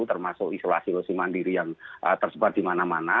termasuk isolasi isolasi mandiri yang tersebar di mana mana